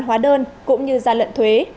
hóa đơn cũng như ra lận thuế